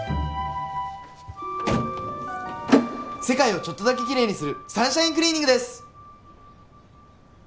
世界をちょっとだけキレイにするサンシャインクリーニングです！